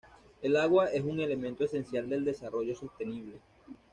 El agua es un elemento esencial del desarrollo sostenible.